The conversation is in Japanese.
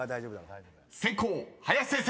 ［先攻林先生］